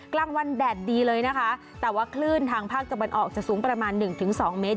กลางวันแดดดีเลยนะคะแต่ว่าคลื่นทางภาคตะวันออกจะสูงประมาณหนึ่งถึงสองเมตร